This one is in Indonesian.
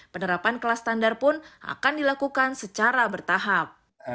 penerapan kelas standar pun akan dilakukan secara bertahap